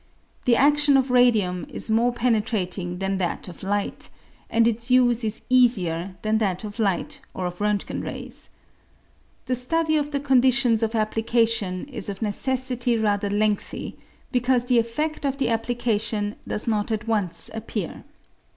The adion of radium is more penetrating than that of light, and its use is easier than that of light or of R ntgen rays. The study of the conditions of application is of necessity rather lengthy, because the effed of the application does not at once appear.